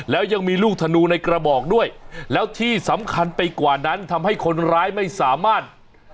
แล้วยังมีลูกธนูในกระบอกด้วยแล้วที่สำคัญไปกว่านั้นทำให้คนร้ายไม่สามารถ